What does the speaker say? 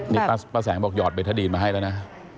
นี่ป้าแสงบอกหอดเบทาดีนมาให้แล้วนะ